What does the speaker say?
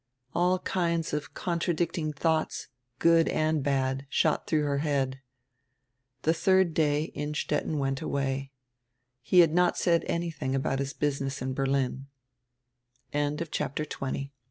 All kinds of contradicting thoughts, good and bad, shot through her head. The third day Innstetten went away. He had not said anything about his business in Berlin.